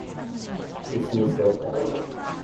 いすに座りたい